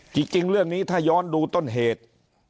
จริงเรื่องนี้ถ้าย้อนดูต้นเหตุ